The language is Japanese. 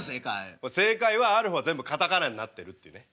正解はある方は全部カタカナになってるっていうね。